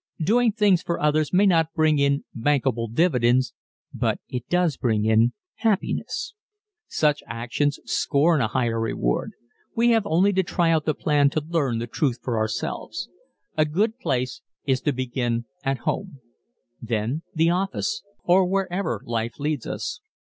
Doing things for others may not bring in bankable dividends but it does bring in happiness. Such actions scorn a higher reward. We have only to try out the plan to learn the truth for ourselves. A good place to begin is at home. Then, the office, or wherever life leads us.